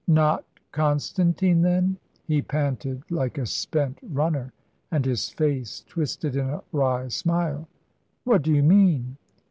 "Not Constantine, then." He panted like a spent runner, and his face twisted in a wry smile. "What do you mean?"